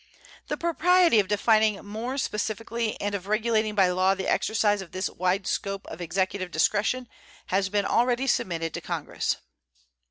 The propriety of defining more specifically and of regulating by law the exercise of this wide scope of Executive discretion has been already submitted to Congress.